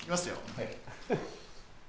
はい。